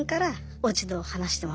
落ち度？